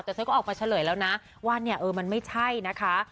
แต่เธอก็ออกมาเฉลยแล้วนะว่าเนี่ยเออมันไม่ใช่นะคะ